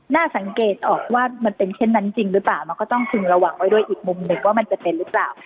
น่าสังเกตออกว่ามันเป็นเช่นนั้นจริงหรือเปล่ามันก็ต้องพึงระวังไว้ด้วยอีกมุมหนึ่งว่ามันจะเป็นหรือเปล่า